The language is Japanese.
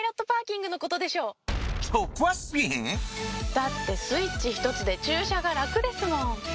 だってスイッチひとつで駐車が楽ですもん。